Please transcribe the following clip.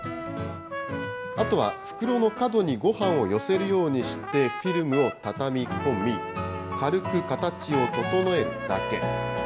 あとは袋の角にごはんを寄せるようにして、フィルムを畳み込み、軽く形を整えるだけ。